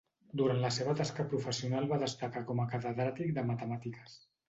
Durant la seva tasca professional va destacar com a catedràtic de matemàtiques.